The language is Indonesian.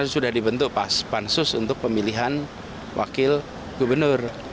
sudah dibentuk pansus untuk pemilihan wakil gubernur